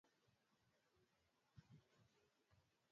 wabunge hao walioandamana juma moja lililopita